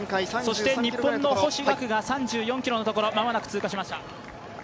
そして、日本の星岳が３４ｋｍのところをまもなく通過しました。